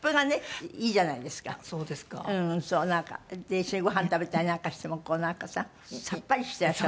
一緒にご飯食べたりなんかしてもこうなんかささっぱりしてらっしゃる。